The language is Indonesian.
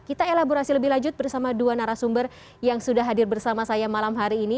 kita elaborasi lebih lanjut bersama dua narasumber yang sudah hadir bersama saya malam hari ini